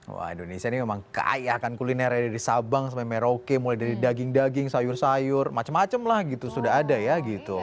wah indonesia ini memang kaya kan kulinernya dari sabang sampai merauke mulai dari daging daging sayur sayur macem macem lah gitu sudah ada ya gitu